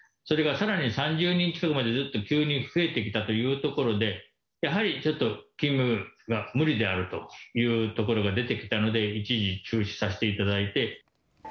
それがさらに３０人近くまでぐっと急に増えてきたというところで、やはりちょっと勤務が無理であるというところが出てきたので、一時中止させていただいて。